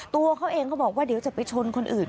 ตัวเขาเองเขาบอกว่าเดี๋ยวจะไปชนคนอื่น